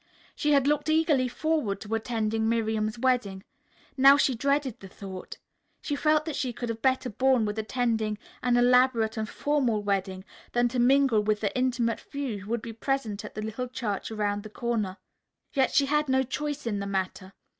She had looked eagerly forward to attending Miriam's wedding. Now she dreaded the thought. She felt that she could have better borne with attending an elaborate and formal wedding than to mingle with the intimate few who would be present at the Little Church Around the Corner. Yet she had no choice in the matter.